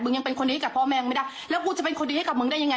ยังเป็นคนนี้กับพ่อแม่มึงไม่ได้แล้วกูจะเป็นคนดีให้กับมึงได้ยังไง